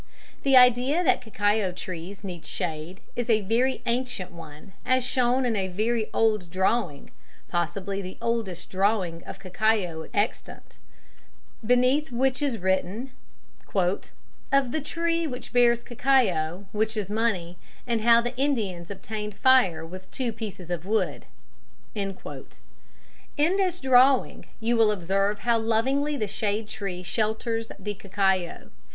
The idea that cacao trees need shade is a very ancient one, as is shown in a very old drawing (possibly the oldest drawing of cacao extant) beneath which it is written: "Of the tree which bears cacao, which is money, and how the Indians obtained fire with two pieces of wood." In this drawing you will observe how lovingly the shade tree shelters the cacao.